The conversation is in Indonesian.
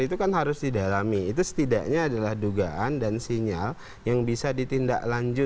itu kan harus didalami itu setidaknya adalah dugaan dan sinyal yang bisa ditindaklanjuti